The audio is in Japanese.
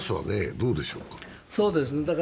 どうでしょうか？